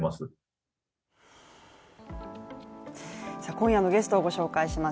今夜のゲストをご紹介します。